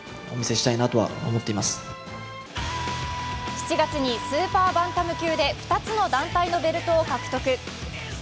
７月にスーパーバンタム級で２つの団体のベルトを獲得。